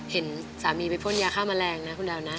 เห็นสามีไปพ่นยาฆ่าแมลงนะคุณดาวนะ